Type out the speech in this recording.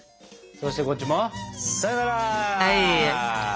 そしてこっちもさよなら！